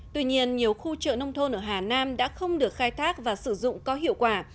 tuy nhiên nhiều khu chợ nông thôn ở hà nam đã không được khai thác và sử dụng có hiệu quả